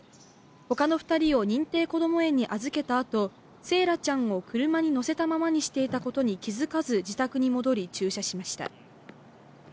ほかの２人を認定こども園に預けたあと、惺愛ちゃんを車に乗せたままにしていたことに気づかず自宅に戻り駐車しました。